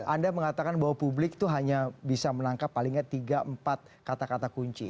anda mengatakan bahwa publik itu hanya bisa menangkap paling tidak tiga empat kata kata kunci